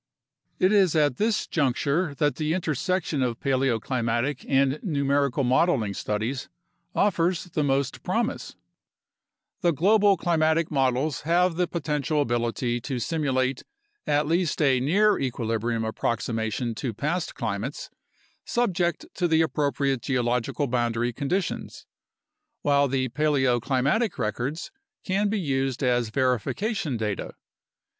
It is at this juncture that the intersection of paleoclimatic and numeri cal modeling studies offers the most promise: the global climatic models have the potential ability to simulate at least a near equilibrium ap proximation to past climates subject to the appropriate geological boundary conditions, while the paleoclimatic records can be used as verification data.